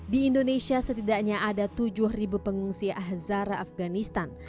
di indonesia setidaknya ada tujuh pengungsi ahzara afganistan